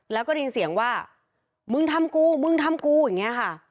แล้วก็ได้ยินเสียงว่ามึงทำกูมึงทำกูอย่างนี้ค่ะ